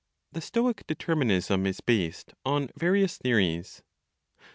THE STOIC DETERMINISM IS BASED ON VARIOUS THEORIES.